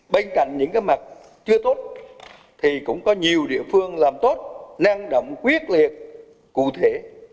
bên cạnh những cái mặt chưa tốt thì cũng có nhiều địa phương làm tốt năng động quyết liệt cụ thể